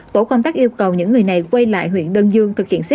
tổ công tác yêu cầu những người này quay lại huyện đơn dương